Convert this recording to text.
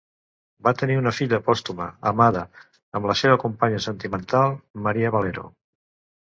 Va tenir una filla pòstuma, Amada, amb la seva companya sentimental Maria Valero.